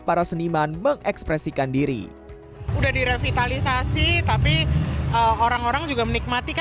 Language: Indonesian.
para seniman mengekspresikan diri udah direvitalisasi tapi orang orang juga menikmati